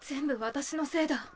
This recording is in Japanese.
私のせいだ。